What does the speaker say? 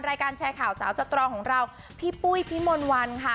รายการแชร์ข่าวสาวสตรองของเราพี่ปุ้ยพี่มนต์วันค่ะ